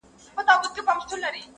چوروندک له خوشالیه په ګډا سو-